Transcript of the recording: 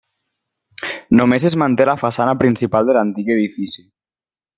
Només es manté la façana principal de l'antic edifici.